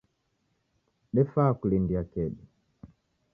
Defaa kulindia kedu